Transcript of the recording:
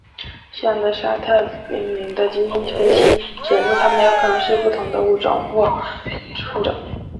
驯养的沙特瞪羚的基因分析显示它们有可能是不同的物种或混种。